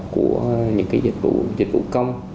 của những cái dịch vụ công